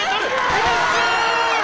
フィニッシュ！